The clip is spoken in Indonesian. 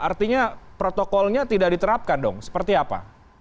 artinya protokolnya tidak diterapkan dong seperti apa